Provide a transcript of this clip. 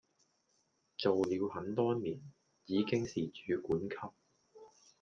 做了很多年，已經是主管級